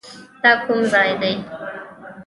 دا کوم ځاى دى.